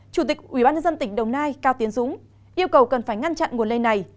chủ tịch ubnd tỉnh đồng nai cao tiến dũng yêu cầu cần phải ngăn chặn nguồn lây này